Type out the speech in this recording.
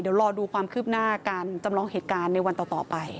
เดี๋ยวรอดูความคืบหน้าการจำลองเหตุการณ์ในวันต่อไป